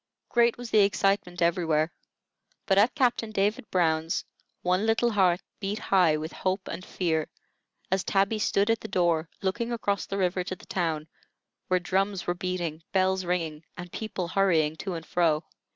Great was the excitement everywhere; but at Captain David Brown's one little heart beat high with hope and fear, as Tabby stood at the door, looking across the river to the town, where drums were beating, bells ringing, and people hurrying to and fro.